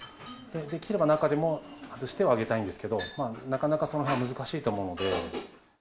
できれば中でも、外してはあげたいんですけど、なかなかそれは難しいと思うので。